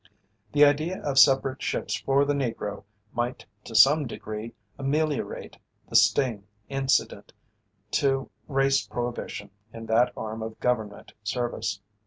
The idea of separate ships for the Negro might to some degree ameliorate the sting incident to race prohibition in that arm of government service.